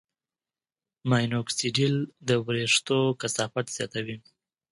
ماینوکسیډیل د وېښتو کثافت زیاتوي.